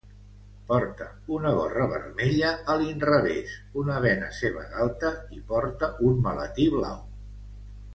Porta una gorra vermella a l'inrevés, una bena seva galta i porta un maletí blau.